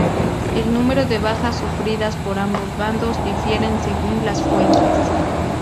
El número de bajas sufridas por ambos bandos difiere según las fuentes.